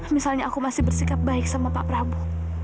misalnya aku masih bersikap baik sama pak prabowo